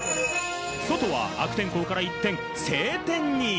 外は悪天候から一転、晴天に。